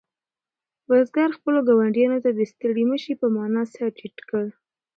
بزګر خپلو ګاونډیانو ته د ستړي مه شي په مانا سر ټیټ کړ.